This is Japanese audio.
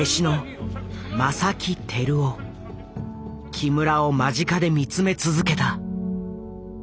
木村を間近で見つめ続けた。